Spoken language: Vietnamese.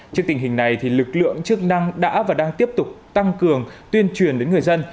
trước tình hình này lực lượng chức năng đã và đang tiếp tục tăng cường tuyên truyền đến người dân